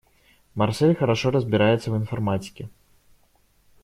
Марсель хорошо разбирается в информатике.